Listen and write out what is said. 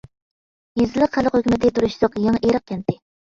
يېزىلىق خەلق ھۆكۈمىتى تۇرۇشلۇق يېڭىئېرىق كەنتى.